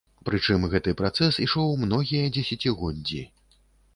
Пры чым гэты працэс ішоў многія дзесяцігоддзі.